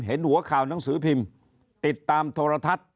เห็นหัวข่าวหนังสือพิมพ์ติดตามโทรทัศน์